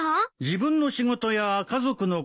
自分の仕事や家族のこと